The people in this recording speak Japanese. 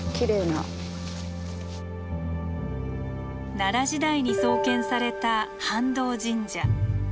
奈良時代に創建された飯道神社。